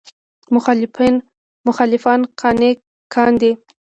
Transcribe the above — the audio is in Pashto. مخالفان قانع کاندي.